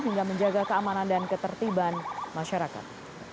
hingga menjaga keamanan dan ketertiban masyarakat